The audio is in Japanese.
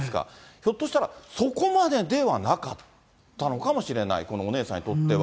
ひょっとしたら、そこまでではなかったのかもしれない、このお姉さんにとっては。